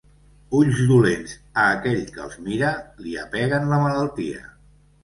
Ulls dolents, a aquell que els mira, li apeguen la malaltia.